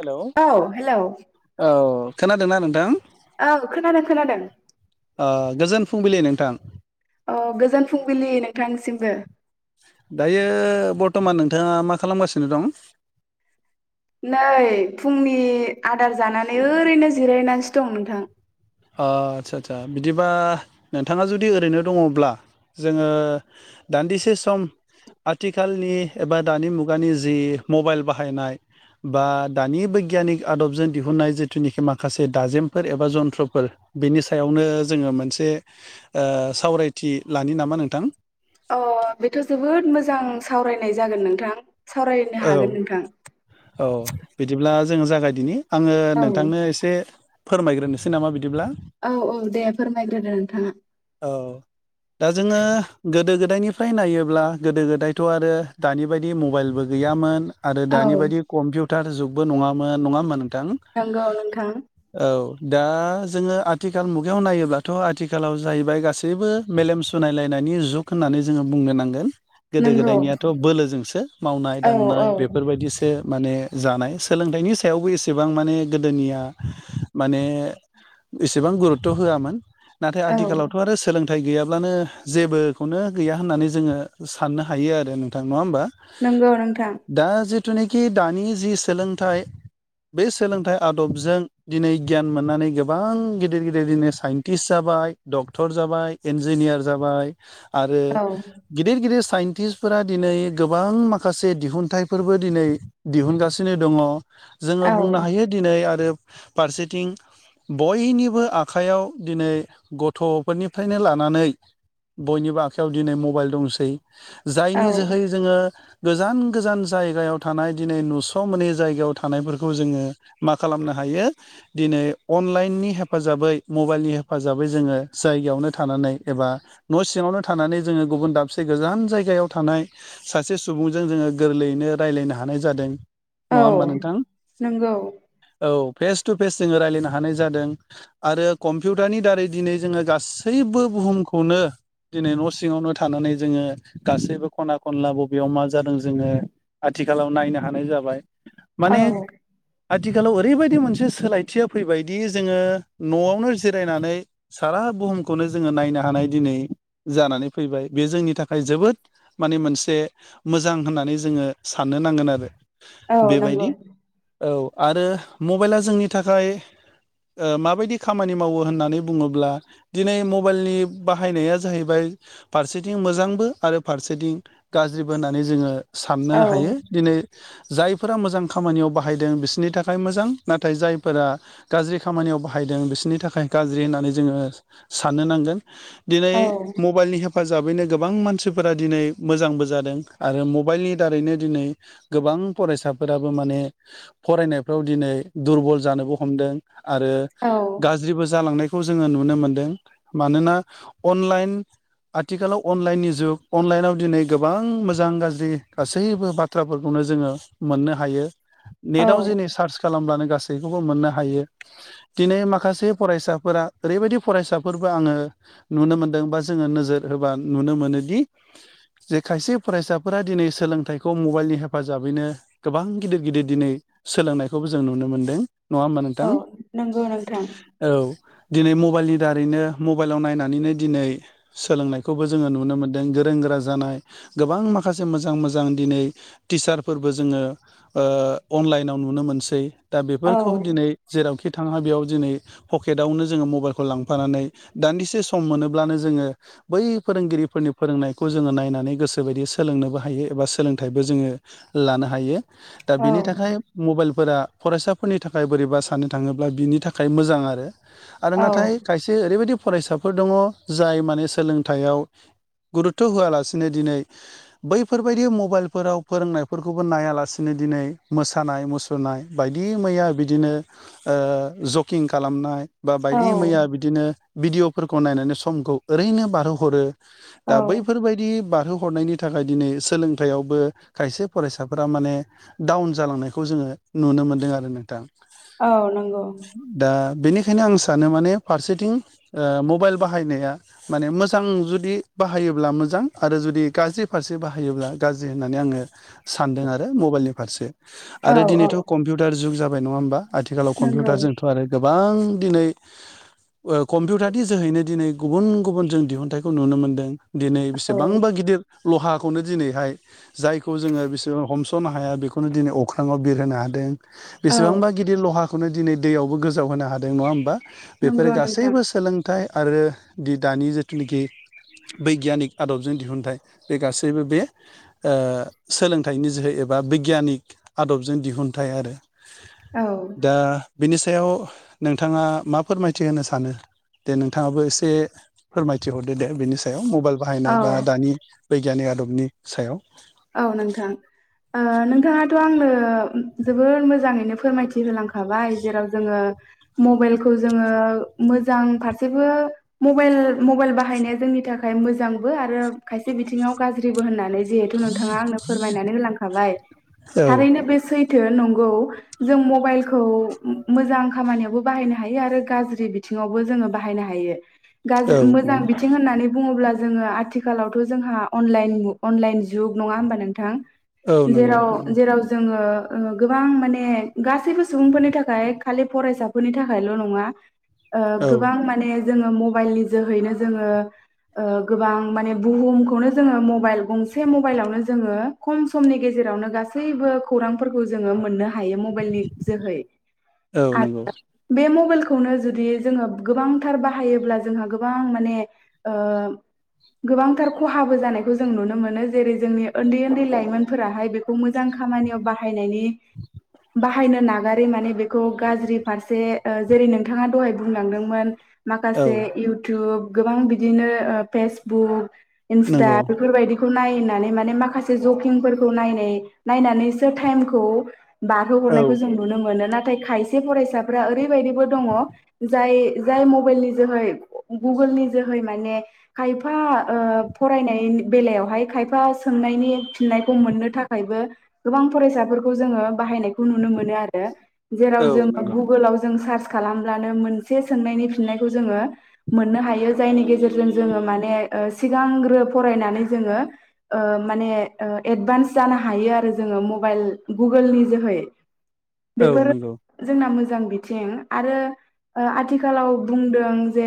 Hello औ hello औ खोनादोंना नोंथां औ खोनादों खोनादों ओ गोजोन फुंबिलि नोंथां औ गोजोन फुंबिलि नोंथांसिमबो। दायो बर्थमान नोंथाङा मा खालामगासिनो दं? नै फुंनि आदार जानानै ओरैनो जिरायनानैसो दं नोंथां। आ आदचा आदचा बिदिबा नोंथाङा जुदि ओरैनो दङब्ला जोङो दान्दिसे सम आथिखालनि एबा दानि मुगानि जि मबाइल बाहायनाय बा दानि बैग्यानिक आदबजों दिहुननाय जिथुनिखि माखासे दाजेमफोर एबा जन्थ्र फोर बिनि सायावनो जोङो मोनसे ओ सावरायथि लानि नामा नोंथां? अ बेथ' जोबोद मोजां सावरायनाय जागोन नोंथां सावरायनो औ हागोन नोंथां औ बिदिब्ला जों जोङो जागायदिनि आङो औ नोंथांनो एसे फोरमायग्रोनोसै नामा बि औ औ दे फोरमायग्रोदो नोंथाङा। औ दा जोङो गोदो गोद गोदायनिफ्राय नायोब्ला गोदो गोदायथ' आरो दानि बायदि मबाइलबो गैयामोन। आरो औ दानि बायदि कम्पिउटार जुगबो नङामोन नङा होमबा नोंथां नंगौ नोंथां औ। दा जोङो आथिखाल मुगायाव नायोब्लाथ' आथिखालाव जाहैबाय गासैबो मेलेम सुनायलायनाय। नि जुग होननानै जोङो बुंनो नांगोन। गोदो नंगौ गोदायनियाथ' बोलोजोंसो मावनाय औ दांनाय औ बेफोरबायदिसो। माने जानाय सोलोंथाइनि सायावबो एसेबां माने गोदोनिया माने इसेबां गुरुत्थ' होआमोन नाथाय औ आथिखालावथ' आरो सोंलों थाइ गैयाब्लानो जेबोखौनो गैया होननानै जोङो साननो हायो आरो नोंथां नङा होमबा? नंगौ नोंथां। दा जिथुनेखि दानि जि सोलोंथाइ बे सोलोंथाइ आदबजों दिनै गियान मोननानै गोबां गिदिर गिदिर दिनै साइन्टिस्ट जाबा बाय डक्टर जाबाय इन्जिनियार जाबाय। आरो औ गिदिर गिदिर साइन्टिस्टफोरा दिनै गोबां माखासे दिहुनथाइफोरबो दिनै दिहुनगासिनो दङ जोङो औ बुंनो हायो दिनै आरो फारसेथिं बयनिबो आखाइयाव दिनै गथ'फोरनिफ्रायनो लानानै बयनिबो आखायाव दिनै मबाइल दंसै औ जायनि जोहै जोङो गोजान गोजान जायगायाव थानाय दिनै नुस'मै जायगायाव थानायफोरखौ जोङो मा खालामनो हाय हायो दिनै अनलाइननि हेफाजाबै मबाइलनि हेफाजाबै जोङो जायगायावनो थाना नै एबा न' सिङावनो जोङो गुबुन दाबसे गोजान जायगायाव थानाय सासे सु सुबुंजों जोङो गोरलैयैनो रायलायनो हानाय जादों। नङा औ होमबा नोंथां नंगौ औ। फेस टु फेस जोङो रायलायनो हानाय जादों आरो कम्पिउटारनि दारै दिनै जोङो गासैबो बुहुमखौनो दिनै न' सिङावनो थानानै जोङो गासैबो खना खनला ब बेयाव मा जादों जोङो आथिखालाव नायनो हानाय जाबाय औ माने आथिखालाव ओरैबायदि मोनसे सोलायथिया फैबायदि जोङो न'आवनो जिरायनानै सारा बुहुमखौनो जोङो नायनो हानाय दिनै जानानै फैबाय बे जोंनि थाखाय जोबोद माने मोनसे मोजां होननानै जोङो साननो नांगोन आरो औ बेबायदि नंगौ औ। आरो मबाइला जोंनि थाखाय ओ माबायदि खामानि मावो होननानै बुङोब्ला दिनै मबाइलनि बाहायनाया जाहैबाय फारसेथिं मोजांबो आरो फारसेथिं गाज्रिबो होननानै जोङो साननो औ हायो दिनै जायफोरा मोजां खामानियाव बाहायदों बिसोरनि थाखाय मोजां नाथाय जायफोरा गाज्रि खामानियाव बाहायदों बिसोरनि थाखाय गाज्रि होननानै जोङो साननो नांगोन। दिनै औ मबाइलनि हेफाजाबैनो गोबां मानसिफोरा दिनै मोजांबो जा जादों आरो मबाइलनि दारैनो दिनै गोबां फरायसाफोराबो माने फरायनाय फोराव दिनै दुरबल जानोबो हमदों आरो औ गाज्रिबो जालांनाय खौ जोङो नुनो मोनदों मानोना अनलाइन आथिखालाव अनलाइननि जुग अनलाइनाव दिनै गोबां मोजां गाज्रि गासैबो बाथ्राफोरखौनो जोङो मोननो हायो नेटआव औ दिनै सार्च खालामब्लानो गासै सैखौबो मोननो हायो दिनै माखासे फरायसाफोरा ओरैबायदि फरायसाफोरबो आङो नुनो मोनदों बा जोङो नोजोर होबा नुनो मोनोदि जे खायसे फरायसाफोरा दिनै सोलोंथाइखौ मबाइलनि हेफाजाबैनो गोबां गिदिर गिदिर दिनै सोलोंनायखौबो जों नुनो मोनदों नङा होमबा औ नोंथां नंगौ नोंथां औ। दिनै मबाइलनि दारैनो मबाइलाव नायनानैनो दिनै सोलोंनायखौबो जोङो नुनो मोन्दों गोरों गोरा जा जानाय गोबां माखासे मोजां मोजां दिनै थिसारफोरबो जोङो ओ अ लाइनाव नुनो मोनसै दा औ बेफोरखौ दिनै जेरावखि थाङा बेयाव दिनै पकेटआवनो जोङो मबाइलखौ लांफानानै दान्दिसे सम मोनोब्लानो जोङो बै फोरोंगिरिफोरनि फोरोंनाय खौ जोङो नायनानै गोसो बायदि सोलोंनोबो हायो एबा सोलोंथाइबो जोङो लानो हायो। दा औ बेनि थाखाय मबाइल फोरा फरायसाफोरनि थाखाय बोरैबा साननो थाङोब्ला बिनि थाखाय मोजां आरो। आरो औ नाथाय खायसे ओरैबायदि फरायसाफोर दङ जाय माने सोलोंथाइयाव गुर थ' होआलासिनो दिनै बैफोरबायदि मबाइलफोराव फोरोंनायफोरखौबो नायालासिनो दिनै मोसानाय मुसुरनाय बायदि मैया बिदिनो ओ जकिं खालामनाय बा बायदि मैया औ बिदिनो भिडिअ'फोरखौ नायनानै समखौ ओरैनो बारहोहरो। औ बेबायायदि बारहो हरनायनि थाखाय दिनै सोलोंथाइयावबो खायसे फरायसाफोरा माने डाउन ज जालांनायखौ जोङो नुनो मोन्दों आरो नोंथां। औ नंगौ बेखायनो आं सानो माने फारसेथिं ओ मबाइल बाहायनाया माने मोजां जुदि बाहायो ब्ला मोजां आरो जुदि गाज्रि फारसे बाहायोब्ला गाज्रि होननानै आङो सानदों आरो मबाइलनि फारसे औ आरो औ दिनैथ' कम्पिउटार जुग जाबाय नङा होमबा? आथिखालाव नंगौ कम्पिउटारजोंथ' आरो गोबां दिनै ओ कम्पिउटारनि जोहैनो दिनै गुबुन गुबुन जों दिहुनथाइखौ नुनो मोनदों। दिनै औ बेसेबांबा गिदिर लहाखौनो दिनैहाय जायखौ जोङो बिसोरां हमस'नो हाया बेखौनो दिनै अख्राङाव बिरहोनो हादों। औ बेसेबांबा गिदिर लहाखौनो दिनै दैयावबो गोजाव होनो हादों नङा होमबा? बेफोरो नंगौ नोंथां गासैबो सोलोंथाइ आरो दि दानि जिथुनाखि बैग्यानिक आदबजों दिहुुनथाइ बे गासैबो बे सोलोंथाइनि जोहै एबा बैग्यानिक आदबजों दिहुनथाइ आरो। दा औ बिनि सायाव नोंथाङा मा फोरमायथि होनो सानो? दे नोंथाङाबो एसे फोरमायथि हरदो दे बेनिस याव मबाइल औ बाहायनाय बा दानि बैग्यानिक आदबनि सायाव औ नोंथां ओ नोंथाङाथ' आंनो जोबोर मोजाङैनो फोरमायथि होलांखाबाय जेराव जोङो मबाइलखौ जोङो मोजां फारसेबो मबाइल मबाइल बाहायनाया जोंनि थाखाय मोजांबो आरो खायसे बिथिङाव गाज्रिबो होननानै जिहेतु नोंथाङा आंनो फोरमायनानै होलांखाबाय औ थारैनो बे सैथो नं गौ जों मबाइलखौ मोजां खामानियावबो बाहायनो हायो आरो गाज्रि बिथिङावबो जों जों बाहायनो हायो। औ गाज्रि मोजां नंगौ बिथिं होननानै बुङोब्ला जोङो आथिखालावथ' जोंहा अनलाइन मु अनलाइन जुग नङा होनबा नोंथां औ नंगौ जेराव नंगौ जेराव जोङो गोबां माने गासैबो सुबुंफोरनि थाखाय खालि फरायसाफोरनि थाखायल' नङा ओ औ गोबां माने जोङो मबाइलनि जोहैनो जोङो ओ गोबां माने बुहुमखौनो जोङो मबाइल गंसे म मबाइलावनो जोङो खम समनि गेजेरावनो गासैबो खौरांफोरखौ जोङो मोननो हा यो मबाइलनि जोहौ औ आ नंगौ बे मबाइल खौनो जुदि जोङो गोबांथार बाहायोब्ला जोंहा गोबां माने ओ गोबांथार खहाबो जानायखौ जों नुनो मोनो। जेरै जोंनि उन्दै उन्दै लाइमोनफोराहाय बेखौ मोजां खामानियाव बाहायनायनि बाहायनो नागारै माने बेखौ गाज्रि फारसे जेरै नोंथाङा दहाय बुंलांदोंमोन। औ माखासे इउटुब गोबां बिदिनो फेसबुक इन्स्टा नंगौ बेफोरबायदि नायनानै मान माखासे जकिंफोरखौ नाय नायनानैसो थाइमखौ औ बारहोहरनायखौ जों नुनो मोनो नाथाय नाथाय खायसे फरायसाफ्रा ओरैबायदिबो दङ जाय जाय मबाइलनि जोहै गु नि जोहै माने खायफा ओ फरायनाय बेलायावहाय खायफा सोंनायनि फिननायखौ मोननो थाखायबो गोबां फरायसाफोरखौ जोङो बायनायखौ नुनो मोनो आरो जेराव औ जों नंगौ गुगोलाव जों सार्च खालामब्लानो मोनसे सोंनायनि फिननायखौ जोङो मोननो हायो जायनि गेजेरजों जोङो माने ओ सिगांग्रो फरायनानै जोङो ओ माने एडभान्स जानो हायो आरो जोङो मबाइल गुगोलनि जोहै औ बेफोर नंगौ जोंना मोजां बिथिं आरो ओ आथिखालाव बुंदों जे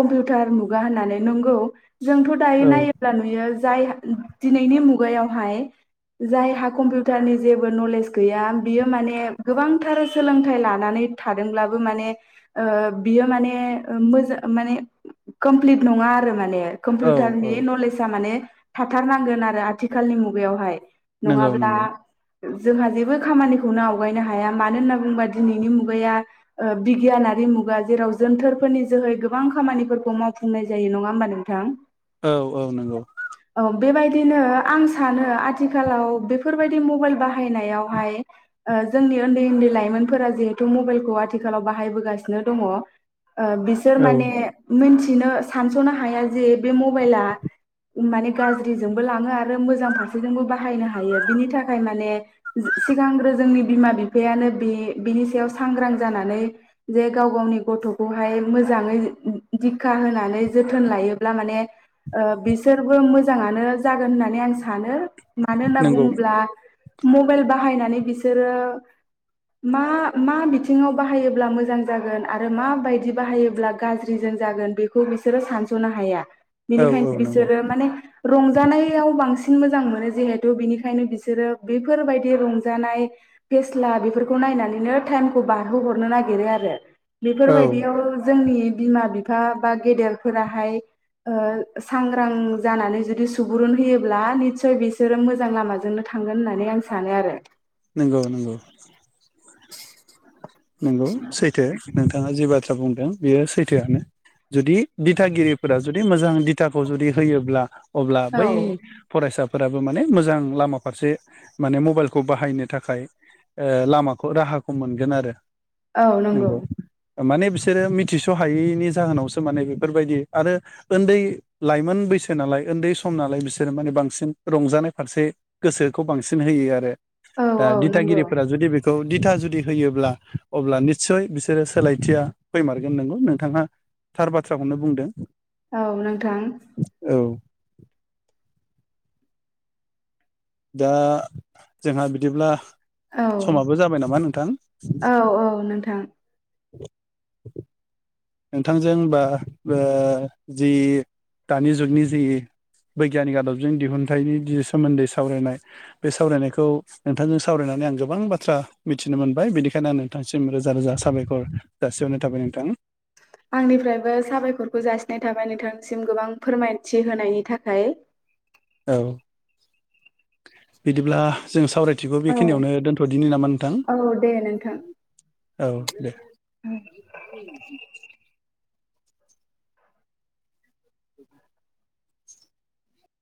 कम्पिउटार मुगा होननानै नंगौ जोंथ' दायो औ नायोब्ला नुयो जाय दिनैनि मुगायावहाय जायहा कम्पिउटारनि जेबो नलेज गैया बियो माने गोबांथार सोलोंथाइ लानानै बेक थादोंब्लाबो माने ओ बियो माने कमप्लि नङै नङा आरो माने औ औ कम्पिउटारनि नलेज आ माने थाथारनांगोन आरो आथिखालनि मुगायावहाय नंगौ नङाब्ला नंगौ जोंहा जेबो खामानिखौनो आवगायनो हाया मानो होनना बुङोब्ला दिनैनि मुगाया बिगियानारि मुगा जेराव जोनथोरफोरनि जोहै गोबां खामानिफोरखौ मावफुंनाय जायो नङा होमबा नोंथां औ औ नंगौ औ बेबायदिनो आं सानो आथिखालाव बेफोरबायदि मबाइल बाहायनायावहाय जोंनि उन्दै उन्दै लाइमोनफोरा जिहेथु मबाइलखौ आथिखालाव बाहायबोगासिनो दङ। ओ बिसोर औ माने मोनथिनो सानस'नो हाया जे बे मबाइला माने गाज्रिजोंबो लाङो आरो मोजां फारसेजोंबो बाहायनो हायो बिनि थाखाय माने सिगांग्रो जोंनि बिमा-बिफायानो बि बिनि सायाव सांग्रां जानानै जे गाव गावनि गथ' खौहाय मोजाङै दिक्षा होनानै जोथोन लायोब्ला माने बिसोरबो मोजाङानो जागोन होननानै आं सानो मानो होनना नंगौ बुङोब्ला मबाइल बाहायनानै बिसोरो मा मा बिथिङाव बाहायोब्ला मोजां जागोन आरो माबायदि बाहायोब्ला गाज्रि जा जागोन बेखौ बिसोरो सानस'नो हाया औ औ बिनिखायनो नंगौ बिसोरो माने रंजानायाव बांसिन मोजां मोनो जिहेथु बिनिखायनो बिसोरो बेफोरबायदि रंजानाय फेस्ला बेफोरखौ नायनानैनो टाइमखौ बारहोहरनो नागिरो आरो औ बेफोरबायदियाव जोंनि बिमा-बिफा बा गेदेरफोराहाय ओ सांग्रां जानानै जुदि सुबुरुन होयोब्ला निसय बिसोरो मोजां लामाजोंनो थांगोन होननानै आं सा सानो आरो नंगौ नंगौ नंगौ सैथो नोंथाङा जि बाथ्रा बुंदों बेयो सैथोआनो जुदि दिथागिरिफोरा जुदि मोजां दिथाखौ जुदि होयोब्ला अब्ला औ बै फरायसा फोराबो माने मोजां लामा फारसे माने मबाइलखौ बाहायनो थाखाय ओ लामाखौ राहाखौ मोनगोन आरो औ नंगौ नोंगौ माने बिसोरो मिथिस' हायैनि जाहोनावसो माने बेफोरबायदि आरो उन्दै लाइमोन बै बैसो नालाय उन्दै सम नालाय बिसोरो माने बांसिन रंजानाय फारसे गोसोखौ बांसिन होयो आरो औ दा औ नंगौ दिथागिरिफोरा जुदि बेखौ दिथा जुदि होयोब्ला अब्ला निस्सय बिसोरो सोलायथिया फैमारगोन नंगौ नोंथाङा थार बाथ्राखौनो बुंदों। औ नोंथां औ दा जोंहा बिदिब्ला औ समाबो जाबाय नामा नोंथां [unintelligible] औ औ नोंथां नोंथांजों बा ओ जि दानि जुगनि जि बैग्यानिक आदबजों दिहुनथाइनि जि सोमोन्दै सावरायनाय बे सावरायनायखौ नोंथांजों सावरायनानै माने आं गोबां बाथ्रा मिथिनो मोनबाय बेनिखायनो आं ोनोंथांसिम रोजा रोजा साबायखर जासिहरनाय थाबाय नोंथां आंनिफ्रायबो साबायखरखौ जासिनाय थाबाय नोंथांनिसिम गोबां फोरमायथि होनायनि थाखाय औ बिदिब्ला जों सावराय थिखौ औ बेखिनियावनो दोनथ'दिनि नामा नोंथां औ दे नोंथां औ दे औ